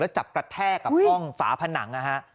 แล้วจับกระแทกกับกล้องฝาผนัง